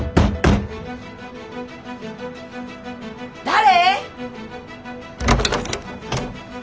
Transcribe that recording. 誰？